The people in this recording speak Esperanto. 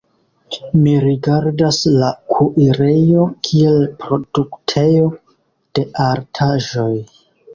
Mi rigardas la kuirejon kiel produktejon de artaĵoj.